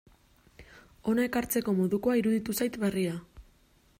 Hona ekartzeko modukoa iruditu zait berria.